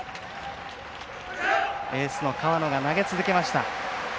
エースの河野が投げ続けました。